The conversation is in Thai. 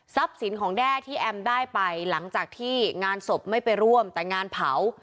สินของแด้ที่แอมได้ไปหลังจากที่งานศพไม่ไปร่วมแต่งานเผา